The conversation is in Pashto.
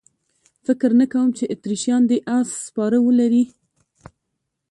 فکر نه کوم چې اتریشیان دې اس سپاره ولري.